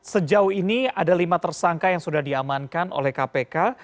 sejauh ini ada lima tersangka yang sudah diamankan oleh kpk